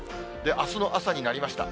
あすの朝になりました。